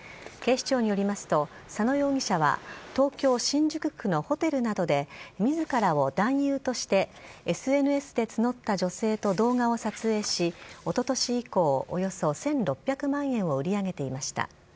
警視庁によりますと、佐野容疑者は東京・新宿区のホテルなどで、みずからを男優としてＳＮＳで募った女性と動画を撮影し、おととし以降、およそ１６００万円を売り上げていました。